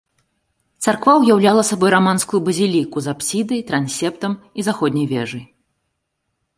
Царква ўяўляла сабой раманскую базіліку з апсідай, трансептам і заходняй вежай.